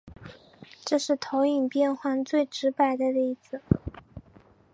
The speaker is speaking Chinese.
这就是投影变换最直白的例子。